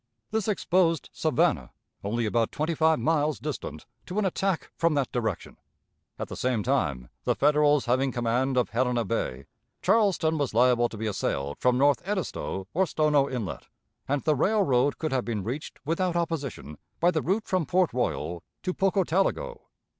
This exposed Savannah, only about twenty five miles distant, to an attack from that direction. At the same time, the Federals having command of Helena Bay, Charleston was liable to be assailed from North Edisto or Stono Inlet, and the railroad could have been reached without opposition by the route from Port Royal to Pocotaligo.